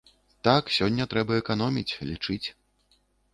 Так, сёння трэба эканоміць, лічыць.